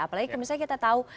apalagi misalnya kita tahu